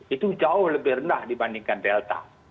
itu jauh lebih rendah dibandingkan delta